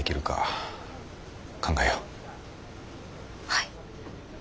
はい。